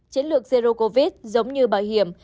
chiến lược zero covid giống như bảo hiểm